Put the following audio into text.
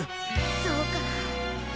そうか。